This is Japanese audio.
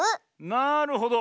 なるほど！